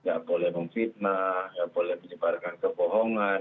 nggak boleh memfitnah nggak boleh menyebarkan kebohongan